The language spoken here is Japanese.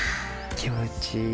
気持ちいい。